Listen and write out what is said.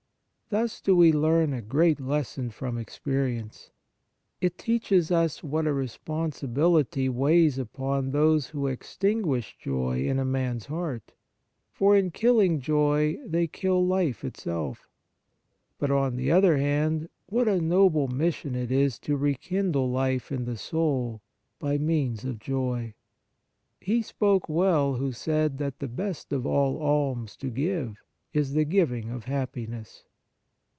Thus do we learn a great lesson from experience. It teaches us what a responsibility weighs upon those who extinguish joy in a man's heart, for, in killing joy, they kill life itself. But, on the other hand, what a noble mission it is to rekindle life in the soul by means of joy ! He spoke well who said that the best of all alms to give is the giving of happiness.